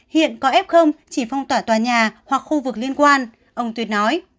hiện có f chỉ phong tỏa tòa nhà hoặc khu vực liên quan ông tuyệt nói